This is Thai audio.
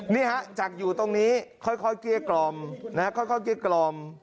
นี่ฮะจากอยู่ตรงนี้ค่อยเกลี้ยกล่อมค่อยเกลี้ยกล่อม